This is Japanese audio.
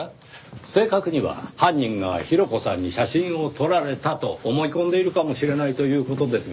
正確には犯人がヒロコさんに写真を撮られたと思い込んでいるかもしれないという事ですが。